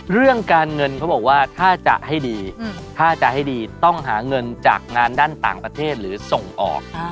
เรื่องการเงินเขาบอกว่าถ้าจะให้ดีถ้าจะให้ดีต้องหาเงินจากงานด้านต่างประเทศหรือส่งออก